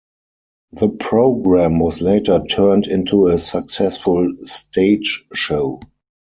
The program was later turned into a successful stage show.